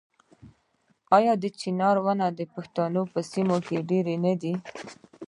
آیا د چنار ونې د پښتنو په سیمو کې ډیرې نه دي؟